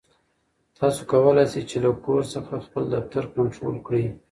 تاسو کولای شئ چې له کور څخه خپل دفتر کنټرول کړئ.